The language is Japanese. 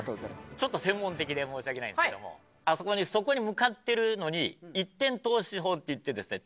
ちょっと専門的で申し訳ないんですけどもあそこにそこに向かってるのに一点透視法っていってですね